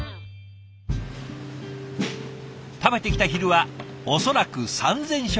食べてきた昼は恐らく３，０００食以上。